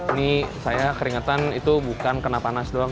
ini saya keringetan itu bukan kena panas doang